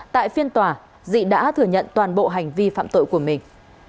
tại phiên tòa dị đã thừa nhận toàn bộ hành vi phạm tội của mình